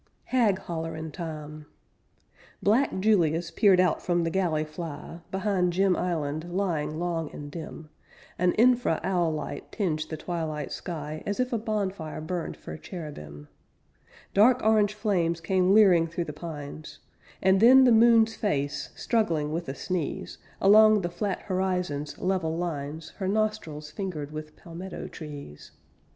HAG HOLLERIN' TIME Black Julius peered out from the galley fly; Behind Jim Island, lying long and dim; An infra owl light tinged the twilight sky As if a bonfire burned for cherubim. Dark orange flames came leering through the pines, And then the moon's face, struggling with a sneeze, Along the flat horizon's level lines Her nostrils fingered with palmetto trees.